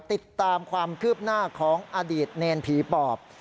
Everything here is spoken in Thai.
ติดตามความคืบหน้าของอดีตเนรผีปอบ